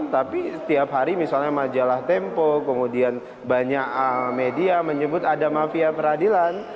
tapi setiap hari misalnya majalah tempo kemudian banyak media menyebut ada mafia peradilan